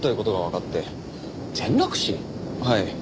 はい。